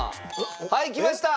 はいきました。